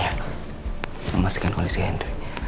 saya mau pastikan kondisi henry